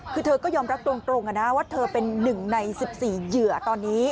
คือเธอก็ยอมรับตรงนะว่าเธอเป็น๑ใน๑๔เหยื่อตอนนี้